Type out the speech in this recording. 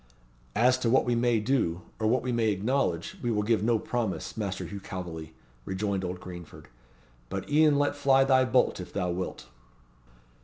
"As to what we may do, or what we may acknowledge, we will give no promise, Master Hugh Calveley," rejoined old Greenford. "But e'en let fly thy bolt, if thou wilt."